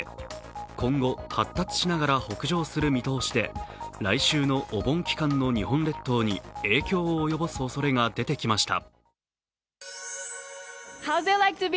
今後、発達しながら北上する見通しで来週のお盆期間の日本列島に影響を及ぼすおそれが出てきました。